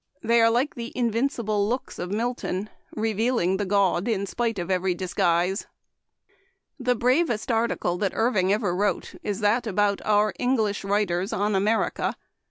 They are like the 'invincible looks' of Mil ton, revealing the god in spite of every dis guise. ..." The bravest article that Irving ever wrote is that about our ' English Writers on America.'